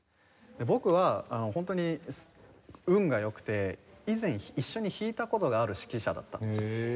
僕はホントに運が良くて以前一緒に弾いた事がある指揮者だったんですよ。